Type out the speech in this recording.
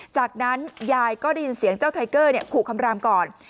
จากนั้นยายก็ได้ยินเสียงเจ้าไทเกอร์ขู่คำรามก่อน